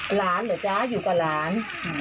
เหรอจ๊ะอยู่กับหลาน